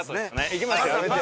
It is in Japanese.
いきますよ。